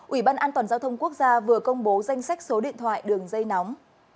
ủy ban an toàn giao thông quốc gia vừa công bố danh sách số điện thoại đường dây nóng